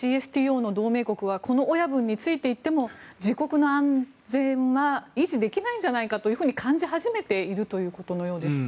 ＣＳＴＯの同盟国は、この親分についていっても自国の安全は維持できないんじゃないかと感じ始めているということのようです。